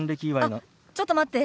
あっちょっと待って。